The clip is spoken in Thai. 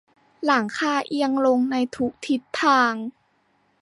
หลังคาเอียงลงในทุกทิศทาง